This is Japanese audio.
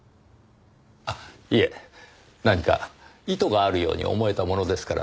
あっいえ何か意図があるように思えたものですから。